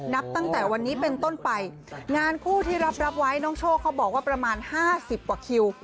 นับตั้งแต่วันนี้เป็นต้นไปงานคู่ที่รับรับไว้น้องโชคเขาบอกว่าประมาณห้าสิบกว่าคิว